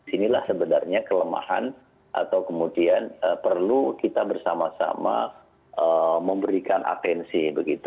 inilah sebenarnya kelemahan atau kemudian perlu kita bersama sama memberikan atensi begitu